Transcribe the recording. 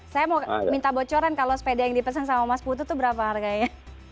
saya mau minta bocoran kalau sepeda yang dipesan sama mas putu itu berapa harganya